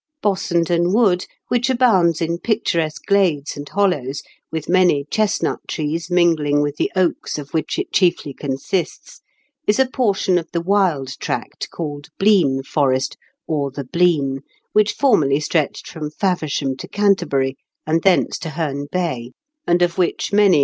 Bossenden Wood, which abounds in pic turesque glades and hollo ws,'|with many chestnut trees mingling with the oaks of which it chiefly consists, is a portion of the wild tract called Blean Forest, or the Blean, which formerly stretched from Faversham to Canterbury, and thence to Heme Bay, and of which many B088E2n)EN WOOD.